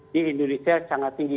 di indonesia sangat tinggi